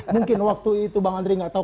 mungkin waktu itu bang andri gak tahu